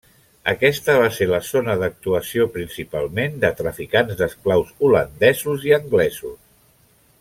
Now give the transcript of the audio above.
Aquesta va ser la zona d'actuació principalment de traficants d'esclaus holandesos i anglesos.